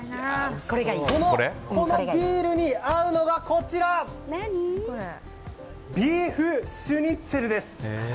このビールに合うのがビーフシュニッツェルです。